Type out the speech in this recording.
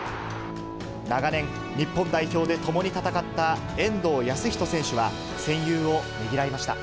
長年、日本代表で共に戦った遠藤保仁選手は、戦友をねぎらいました。